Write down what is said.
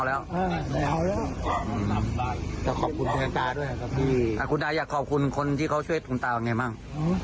ถ้าคุณตาอยากขอบคุณคนที่เขาช่วยคุณตาว่าไงบ้าง